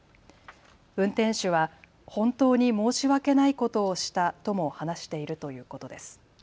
運転手は本当に申し訳ないことをしたとも話しているということです。